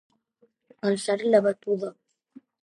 Alçar la batuda.